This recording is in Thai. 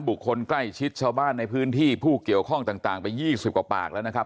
คนใกล้ชิดชาวบ้านในพื้นที่ผู้เกี่ยวข้องต่างไป๒๐กว่าปากแล้วนะครับ